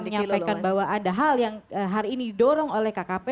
menyampaikan bahwa ada hal yang hari ini didorong oleh kkp